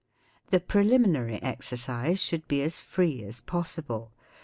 The preliminary exercise should be as free as possible.